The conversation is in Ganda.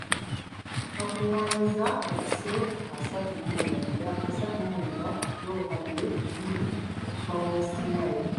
Baakungaanyizza obuse asatu mu mwenda n'obukadde bibiri okuva mu West Nile.